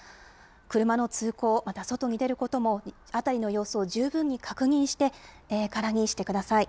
車の通行、また外に出ることも、辺りの様子を十分に確認してからにしてください。